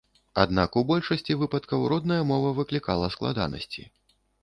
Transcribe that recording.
Аднак, у большасці выпадкаў родная мова выклікала складанасці.